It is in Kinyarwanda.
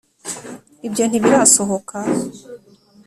ibyo ntibirasohoka?